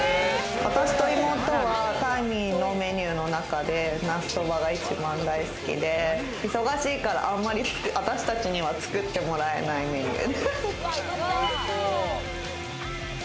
私と妹は大味のメニューの中でなすそばが一番大好きで、忙しいから、あんまり私達には作ってもらえないんです。